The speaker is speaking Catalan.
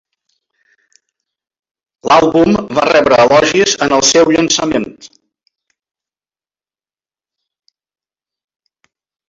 L'àlbum va rebre elogis en el seu llançament.